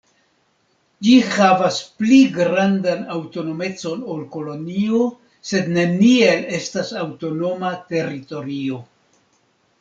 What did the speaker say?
Ĝi havas pli grandan aŭtonomecon ol kolonio, sed neniel estas aŭtonoma teritorio.